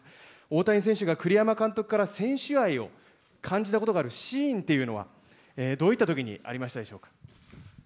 大谷選手が栗山監督から選手愛を感じたことが、シーンというのは、どういったときにありましたでしょうか？